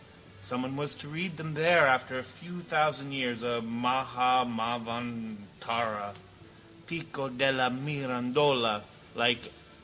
Someone was to read them there after a few thousand years, a mahamanvantara. Pico della Mirandola like.